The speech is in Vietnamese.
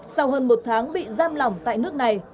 sau hơn một tháng bị giam lỏng tại nước này